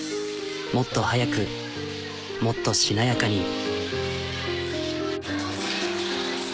もっと速くもっとしなやかに。